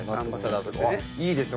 いいですね。